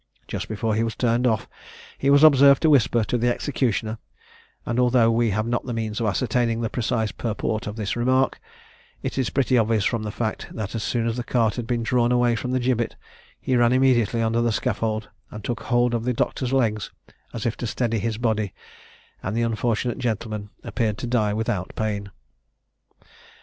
Just before he was turned off, he was observed to whisper to the executioner; and, although we have not the means of ascertaining the precise purport of his remark, it is pretty obvious from the fact, that as soon as the cart had been drawn away from the gibbet, he ran immediately under the scaffold and took hold of the doctor's legs as if to steady his body, and the unfortunate gentleman appeared to die without pain.